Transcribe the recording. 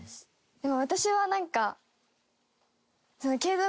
でも私はなんか。